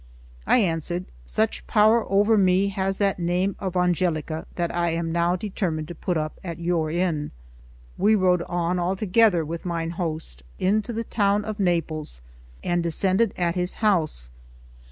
I answered: "Such power over me has that name of Angelica, that I am now determined to put up at your inn." We rode on all together with mine host into the town of Naples, and descended at his house.